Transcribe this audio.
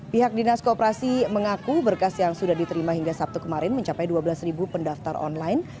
pihak dinas koperasi mengaku berkas yang sudah diterima hingga sabtu kemarin mencapai dua belas pendaftar online